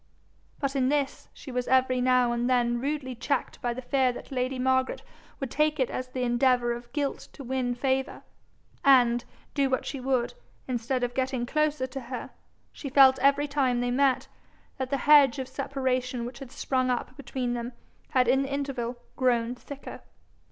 But in this she was every now and then rudely checked by the fear that lady Margaret would take it as the endeavour of guilt to win favour; and, do what she would, instead of getting closer to her, she felt every time they met, that the hedge of separation which had sprung up between them had in the interval grown thicker.